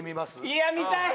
いや見たい！